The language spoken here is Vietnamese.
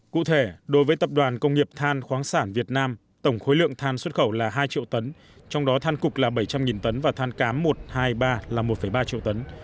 cụ thể đối với tập đoàn công nghiệp than khoáng sản việt nam tổng khối lượng than xuất khẩu là hai triệu tấn trong đó than cục là bảy trăm linh tấn và than cám một hai mươi ba là một ba triệu tấn